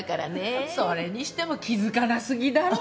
それにしても気付かな過ぎだろう。